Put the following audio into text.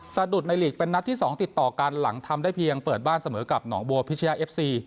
สะดุดในหลีกเป็นนัดที่๒ติดต่อกันหลังทำได้เพียงเปิดบ้านเสมอกับหนองบัวพิชยาเอฟซี